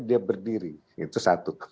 dia berdiri itu satu